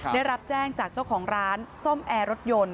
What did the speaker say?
ได้รับแจ้งจากเจ้าของร้านซ่อมแอร์รถยนต์